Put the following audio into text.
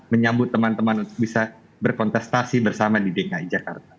menyambut teman teman untuk bisa berkontestasi bersama di dki jakarta